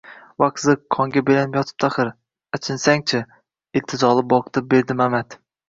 -Vaqt ziq, qonga belanib yotibdi axir, achinsang-chi, — iltijoli boqdi Berdimamat.